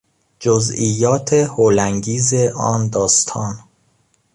جزئیات هول انگیز آن داستان